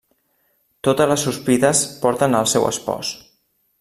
Totes les sospites porten al seu espòs.